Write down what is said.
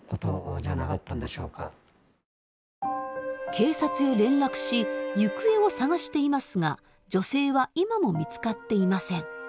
警察へ連絡し行方を捜していますが女性は今も見つかっていません。